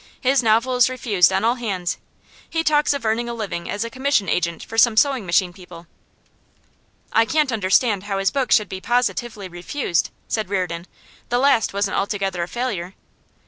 'His novel is refused on all hands. He talks of earning a living as a commission agent for some sewing machine people.' 'I can't understand how his book should be positively refused,' said Reardon. 'The last wasn't altogether a failure.